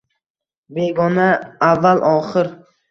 Begona avval-oxir